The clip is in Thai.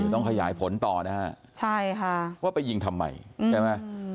ต้องขยายผลต่อนะฮะใช่ค่ะว่าไปยิงทำไมใช่ไหม